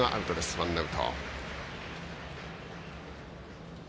ワンアウト。